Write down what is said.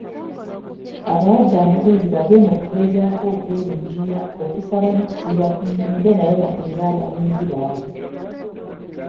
Abawadde amagezi bave mu kugezaako okwerungiya, okusaba n'okusiiba ku nnyimbe naye bakolere abalonzi baabwe.